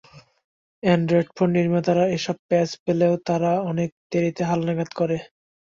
Android phone নির্মাতারা এসব প্যাঁচ পেলেও তারা অনেক দেরিতে হালনাগাদ করে।